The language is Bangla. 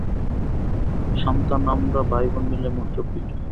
সান্থানামরা ভাই-বোন মিলে মোট চব্বিশ জন।